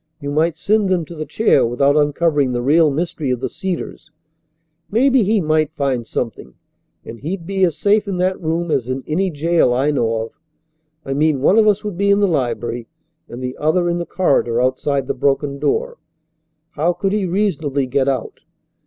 You might send them to the chair without uncovering the real mystery of the Cedars. Maybe he might find something, and he'd be as safe in that room as in any jail I know of. I mean one of us would be in the library and the other in the corridor outside the broken door. How could he reasonably get out?